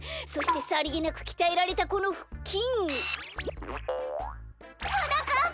そしてさりげなくきたえられたこのふっきん。